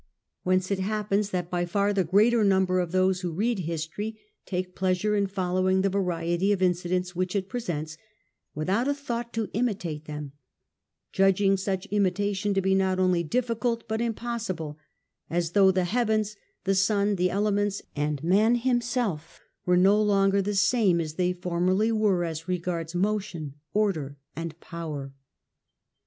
Whence it happens that by far the greater number of those who read History, take pleasure in following the variety of incidents which it presents, without a thought to imitate them; judging such imitation to be not only difficult but impossible; as though the heavens, the sun, the elements, and man himself were no longer the same as they formerly were as regards motion, order, and power.